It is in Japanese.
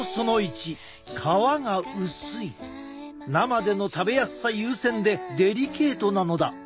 生での食べやすさ優先でデリケートなのだ。